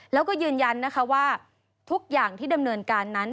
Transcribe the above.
แล้วก็ยืนยันนะคะว่าทุกอย่างที่ดำเนินการนั้น